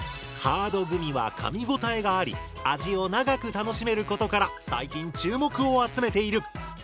ハードグミはかみごたえがあり味を長く楽しめることから最近注目を集めている。